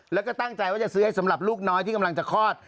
แล้วก็ตั้งใจว่าจะซื้อให้สำหรับลูกน้อยที่กำลังจะคลอด